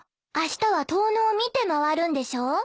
あしたは遠野を見て回るんでしょ？